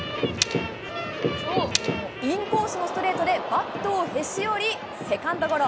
インコースのストレートで、バットをへし折り、セカンドゴロ。